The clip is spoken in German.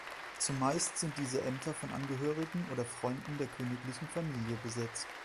Zumeist sind diese Ämter von Angehörigen oder Freunden der königlichen Familie besetzt.